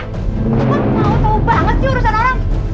kok mau tau banget sih urusan orang